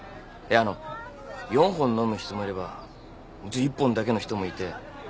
いやあの４本飲む人もいれば１本だけの人もいて。